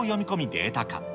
データ化。